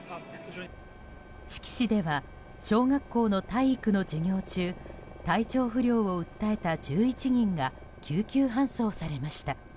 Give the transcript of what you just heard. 志木市では小学校の体育の授業中体調不良を訴えた１１人が救急搬送されました。